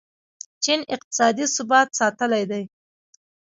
چین اقتصادي ثبات ساتلی دی.